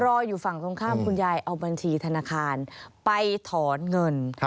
อยู่ฝั่งตรงข้ามคุณยายเอาบัญชีธนาคารไปถอนเงิน